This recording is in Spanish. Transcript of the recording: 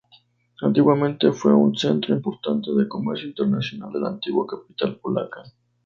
Antiguamente fue un centro importante de comercio internacional de la antigua capital polaca.